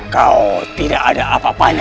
kami akan mengembalikan mereka